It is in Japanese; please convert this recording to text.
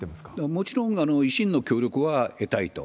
もちろん、維新の協力は得たいと。